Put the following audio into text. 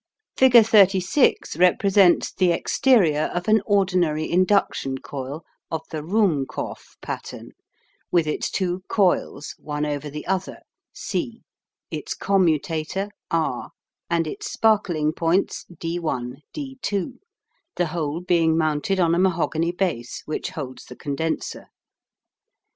Figure 36 represents the exterior of an ordinary induction coil of the Ruhmkorff pattern, with its two coils, one over the other C, its commutator R, and its sparkling points D1D2, the whole being mounted on a mahogany base, which holds the condenser.